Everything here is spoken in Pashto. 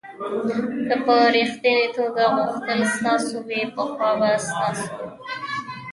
که په ریښتني توګه غوښتل ستاسو وي پخوا به ستاسو و.